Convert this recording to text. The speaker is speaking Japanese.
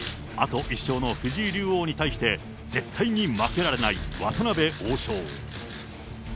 あと１勝の藤井竜王に対し、絶対に負けられない渡辺王将。